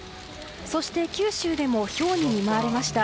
そして、九州でもひょうに見舞われました。